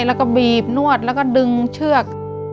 แล้วก็บีบนวดแล้วก็ดึงเชือก